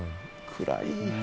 暗い。